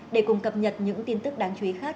để cùng cập nhật những tin tức đáng chú ý khác